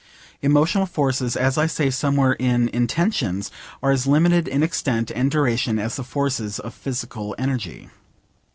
Emotional forces, as I say somewhere in Intentions, are as limited in extent and duration as the forces of physical energy.